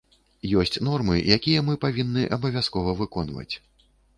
Ёсць нормы, якія мы павінны абавязкова выконваць.